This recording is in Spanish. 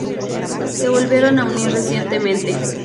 Se volvieron a unir recientemente.